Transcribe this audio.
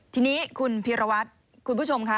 ทีนี้คุณพีรวัตรคุณผู้ชมค่ะ